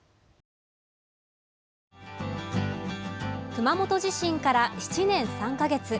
熊本地震から７年３か月。